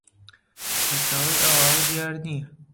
سەرچاوەی ئەو ئاوە دیار نییە